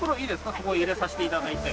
そこ入れさせていただいて。